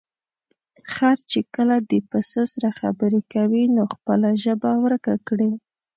خر چې کله د پسه سره خبرې کوي، نو خپله ژبه ورکه کړي.